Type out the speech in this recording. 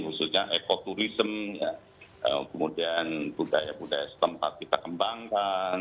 khususnya ekoturism kemudian budaya budaya setempat kita kembangkan